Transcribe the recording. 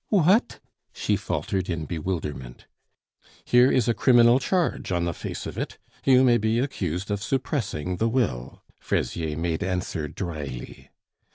"What?"... she faltered in bewilderment. "Here is a criminal charge on the face of it.... You may be accused of suppressing the will," Fraisier made answer drily.